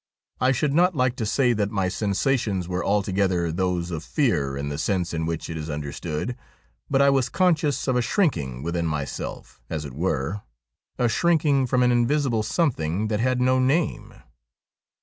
I should not like to say that my sensations were altogether those of fear in the sense in which it is understood, but I was conscious of a shrinking within myself, as it were — a shrinking from an invisible some thing that had no name.